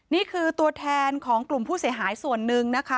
นี่คือตัวแทนของกลุ่มผู้เสียหายส่วนหนึ่งนะคะ